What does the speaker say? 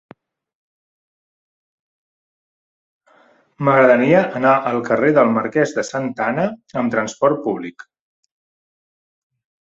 M'agradaria anar al carrer del Marquès de Santa Ana amb trasport públic.